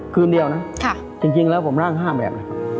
คืนเดียวนะจริงแล้วผมร่าง๕แบบนะ